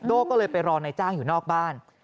ก็เลยไปรอนายจ้างอยู่นอกบ้าน